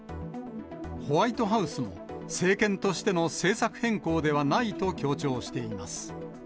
ホワイトハウスも、政権としての政策変更ではないと強調しています。